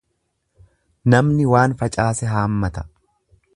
Namni waan facaase haammata.